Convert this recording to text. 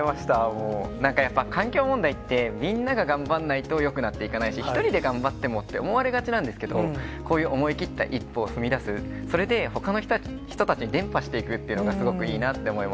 もう、なんかやっぱり環境問題って、みんなが頑張んないとよくなっていかないし、一人で頑張ってもって思われがちなんですけど、こういう思い切った一歩を踏み出す、それで、ほかの人たちに伝ぱしていくっていうのが、すごくいいなって思い